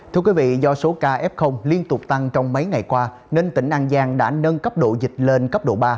thưa quý vị do số ca f liên tục tăng trong mấy ngày qua nên tỉnh an giang đã nâng cấp độ dịch lên cấp độ ba